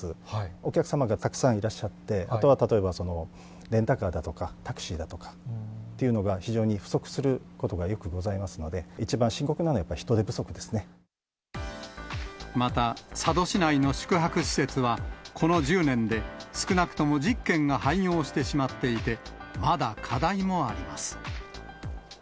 お客様がたくさんいらっしゃって、例えばレンタカーだとかタクシーだとかっていうのが非常に不足することがよくございますので、一番深刻なのは、やっぱり人手不また、佐渡市内の宿泊施設はこの１０年で、少なくとも１０軒が廃業してしまっていて、まだ課題もあります。